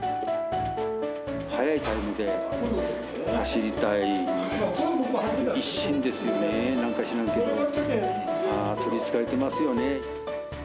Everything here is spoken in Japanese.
速いタイムで走りたい一心ですよね、なんか知らんけど、取りつかれてますよね。